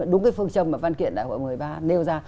đúng cái phương châm mà văn kiện đại hội một mươi ba nêu ra